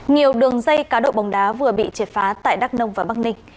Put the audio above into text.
nhiều đường dây cá độ bóng đá vừa bị triệt phá tại đắk nông và bắc ninh